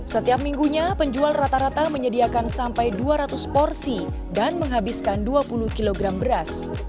setiap minggunya penjual rata rata menyediakan sampai dua ratus porsi dan menghabiskan dua puluh kg beras